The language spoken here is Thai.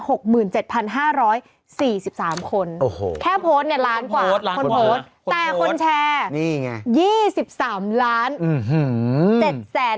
โอ้โหคนโพสต์เนี่ยล้านกว่าคนโพสต์แต่คนแชร์คนโพสต์นี่ไง